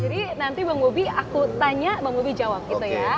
jadi nanti bang gobi aku tanya bang gobi jawab gitu ya oke